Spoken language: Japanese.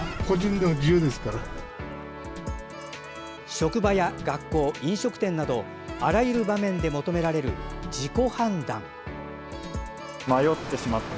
職場や学校、飲食店などあらゆる場面で求められる自己判断。